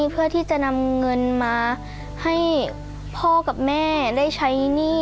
เพื่อที่จะนำเงินมาให้พ่อกับแม่ได้ใช้หนี้